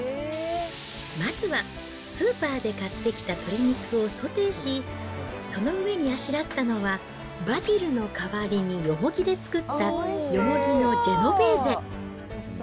まずはスーパーで買ってきた鶏肉をソテーし、その上にあしらったのは、バジルの代わりにヨモギで作ったヨモギのジェノベーゼ。